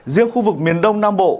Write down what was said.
riêng khu vực miền đông nam bộ